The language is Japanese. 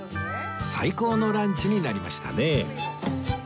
最高のランチになりましたね